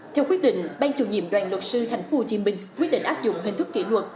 theo quyết định ban chủ nhiệm đoàn luật sư tp hcm quyết định áp dụng hình thức kỷ luật